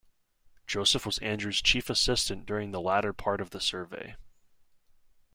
Joseph was Andrew's chief assistant during the latter part of the survey.